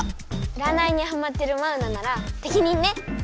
うらないにはまってるマウナならてきにんね！